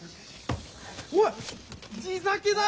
おい地酒だよ